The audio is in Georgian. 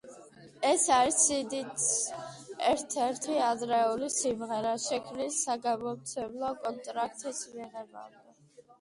ეს არის სიდის ერთ-ერთი ადრეული სიმღერა, შექმნილი საგამომცემლო კონტრაქტის მიღებამდე.